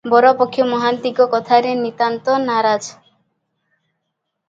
ବରପକ୍ଷ ମହନ୍ତଙ୍କ କଥାରେ ନିତାନ୍ତ ନାରାଜ ।